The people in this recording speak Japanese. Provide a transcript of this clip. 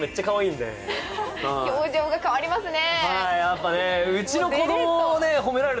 表情が変わりますね。